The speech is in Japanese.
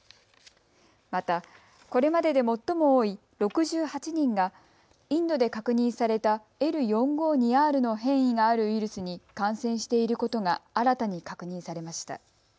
また、これまでで最も多い６８人がインドで確認されたＬ４５２Ｒの変異があるウイルスに感染していることが新たに確認されました。